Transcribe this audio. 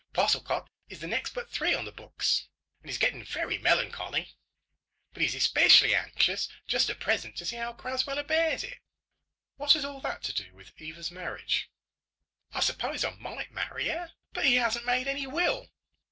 Postlecott is the next but three on the books, and is getting very melancholy. But he is especially anxious just at present to see how Crasweller bears it." "What has all that to do with Eva's marriage?" "I suppose I might marry her. But he hasn't made any will."